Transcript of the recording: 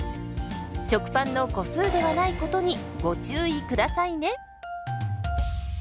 食パンの個数ではないことにご注意下さいね。